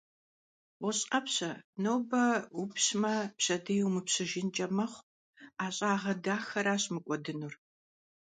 ГъущӀ Ӏэпщэ, нобэ упщмэ, пщэдей умыпщыжынкӀэ мэхъу. Ӏэщагъэ дахэращ мыкӀуэдынур!